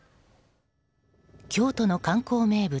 京都の観光名物